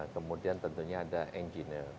kemudian tentunya ada engineer